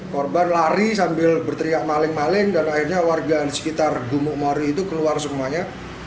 korban lari sambil berteriak maling maling dan akhirnya warga di sekitar gumuk mori itu keluar semuanya